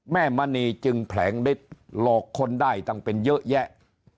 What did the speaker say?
แม่มณีจึงแผลงฤทธิ์หลอกคนได้ตั้งเป็นเยอะแยะ